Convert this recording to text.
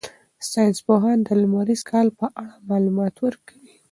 ساینس پوهان د لمریز کال په اړه معلومات ورکوي.